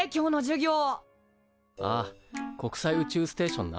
ああ国際宇宙ステーションな。